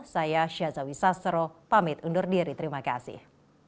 saya syazawi sastro pamit undur diri terima kasih